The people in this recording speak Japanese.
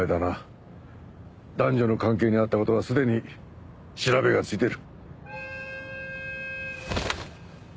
男女の関係にあった事はすでに調べがついてる。